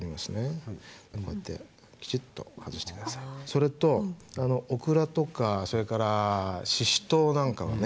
それとオクラとかそれからシシトウなんかはね